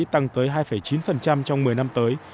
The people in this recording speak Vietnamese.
tăng tới hai chín trong một mươi năm tới